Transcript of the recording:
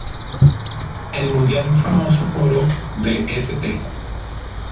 El mundialmente famoso Coro de St.